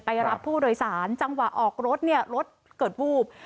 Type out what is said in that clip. รับผู้โดยสารจังหวะออกรถเนี่ยรถเกิดวูบ